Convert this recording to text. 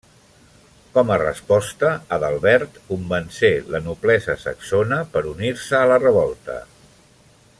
Com a resposta, Adalbert convencé la noblesa saxona per unir-se a la revolta.